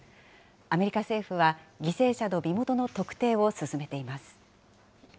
アメリカ政府は、犠牲者の身元の特定を進めています。